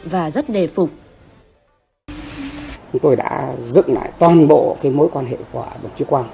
và rất đề phục